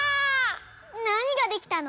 なにができたの？